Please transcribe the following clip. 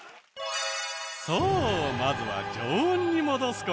そうまずは常温に戻す事。